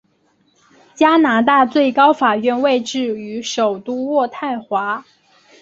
加拿大最高法院位置于首都渥太华。